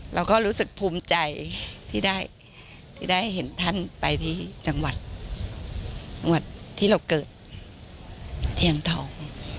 เราก็รู้สึกภูมิใจที่ได้เห็นท่านไปที่จังหวัดที่เราเกิดที่อ่างทอง